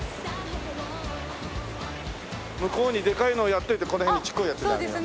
向こうにでかいのをやっといてこの辺にちっこいやつにあげよう。